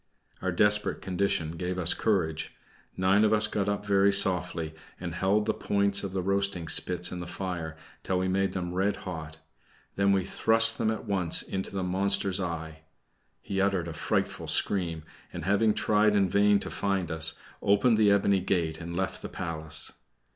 Our desperate condition gave us courage; nine of us got up very softly, and held the points of the roasting spits in the fire until we made them red hot; we then thrust them at once into the monster's eye. He uttered a frightful scream, and having tried in vain to find us, opened the ebony gate and left the palace.